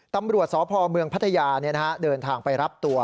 ตำรวจสพเมืองพัทยาเดินทางไปรับตัว